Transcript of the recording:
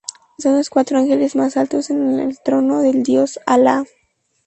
Son los cuatro ángeles más altos en el trono del dios Alá.